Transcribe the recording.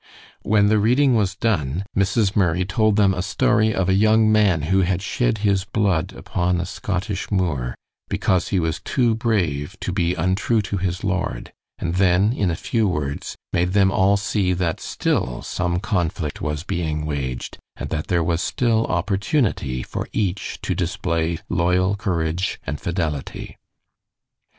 When the reading was done, Mrs. Murray told them a story of a young man who had shed his blood upon a Scottish moor because he was too brave to be untrue to his lord, and then, in a few words, made them all see that still some conflict was being waged, and that there was still opportunity for each to display loyal courage and fidelity.